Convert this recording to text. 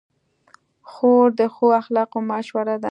خور د ښو اخلاقو مشهوره ده.